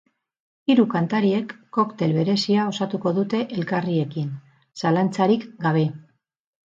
Hiru kantariek koktel berezia osatuko dute elkarriekin, zalantzarik gabe.